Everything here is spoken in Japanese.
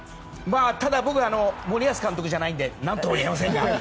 ただ、僕は森保監督じゃないので何とも言えませんが。